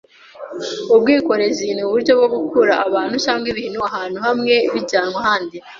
Ubwikorezi ni uburyo bwo gukura abantu cyangwa ibintu ahantu hamwe bijyanwa ahandi